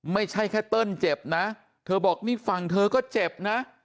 ไม่ใช่แค่เติ้ลเจ็บนะเธอบอกนี่ฝั่งเธอก็เจ็บนะ